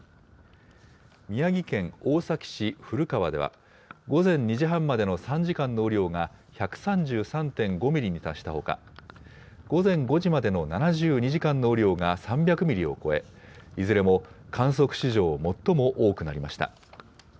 宮城県大崎市古川では、午前２時半までの３時間の雨量が、１３３．５ミリに達したほか、午前５時までの７２時間の雨量が３００ミリを超え、いずれも観測史上最も多くなりました。